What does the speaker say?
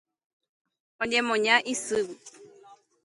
Oñemoña isýgui.